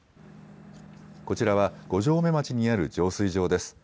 こちらは五城目町にある浄水場です。